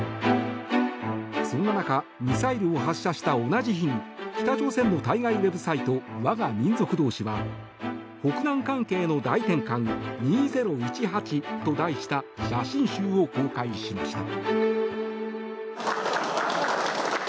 そんな中ミサイルを発射した同じ日に北朝鮮の対外ウェブサイトわが民族同士は「北南関係の大転換２０１８」と題した写真集を公開しました。